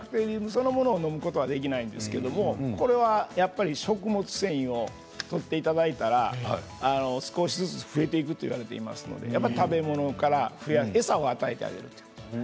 そのものをのむことはできないんですけどもこれはやっぱり食物繊維をとって頂いたら少しずつ増えていくと言われていますのでやっぱ食べ物から餌を与えてあげるということです。